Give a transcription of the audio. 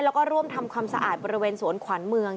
แล้วก็ร่วมทำความสะอาดบริเวณสวนขวัญเมือง